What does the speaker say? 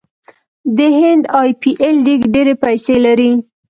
د هند ای پي ایل لیګ ډیرې پیسې لري.